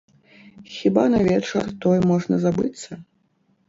Хіба на вечар той можна забыцца?